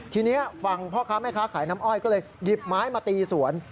ทีนี้ฝั่งพ่อค้าแม่ค้าขายน้ำอ้อยก็เลยหยิบไม้มาตีสวน